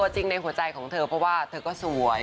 จริงในหัวใจของเธอเพราะว่าเธอก็สวย